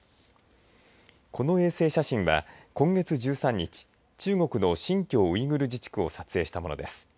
この衛星写真は、今月１３日中国の新疆ウイグル自治区を撮影したものです。